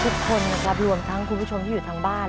ทุกคนนะครับรวมทั้งคุณผู้ชมที่อยู่ทางบ้าน